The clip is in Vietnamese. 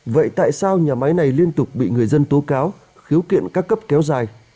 vậy tại sao nhà máy này liên tục bị người dân tố cáo khiếu kiện các cấp kéo dài